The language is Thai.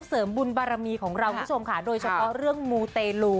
เสริมบุญบารมีของเราคุณผู้ชมค่ะโดยเฉพาะเรื่องมูเตลู